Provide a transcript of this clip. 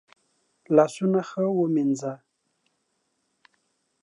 لاسونه ښه ومینځه.